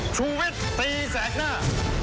ชุวิตตีแสงหน้า